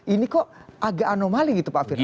ini kok agak anomali gitu pak firman